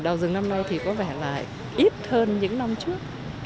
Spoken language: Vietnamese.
đào rừng năm nay thì có vẻ là ít hơn những năm trước